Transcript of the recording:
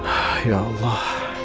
ah ya allah